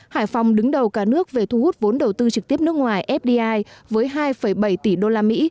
hải phòng đứng đầu cả nước về thu hút vốn đầu tư trực tiếp nước ngoài fdi với hai bảy tỷ usd